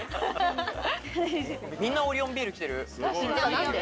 みんなオリオンビール着てる。